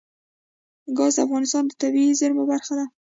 ګاز د افغانستان د طبیعي زیرمو برخه ده.